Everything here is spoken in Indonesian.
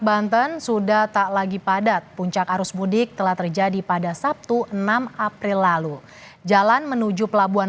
banten sudah tak lagi padat puncak arus mudik telah terjadi pada sabtu enam april lalu jalan menuju pelabuhan